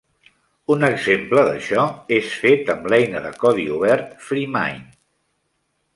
Un exemple d'això és fet amb l'eina de codi obert FreeMind.